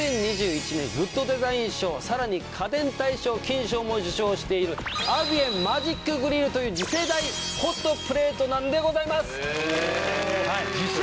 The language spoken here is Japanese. ２０２１年グッドデザイン賞さらに家電大賞金賞も受賞しているアビエンマジックグリルという次世代ホットプレートなんでございます！